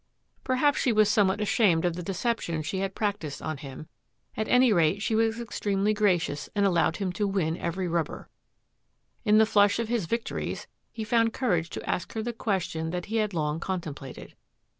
Perhaps she was somewhat ashamed of the de ception she had practised on him ; at any rate, she was extremely gracious and allowed him to win every rubber. In the flush of his victories he found courage to ask her the question that he had long contemplated.